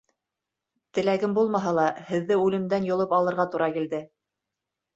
Теләгем булмаһа ла, һеҙҙе үлемдән йолоп алырға тура килде.